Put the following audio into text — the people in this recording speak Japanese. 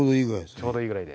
ちょうどいいぐらいで。